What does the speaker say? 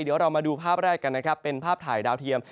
เดี๋ยวเรามาดูภาพแรกกันนะครับเป็นภาพถ่ายดาวเทียม